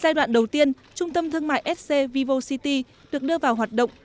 giai đoạn đầu tiên trung tâm thương mại sc vivo city được đưa vào hoạt động